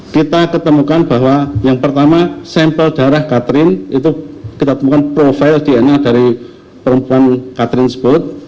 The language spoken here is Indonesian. kita ketemukan bahwa yang pertama sampel darah katrin itu kita temukan profil dna dari perempuan katrin sebut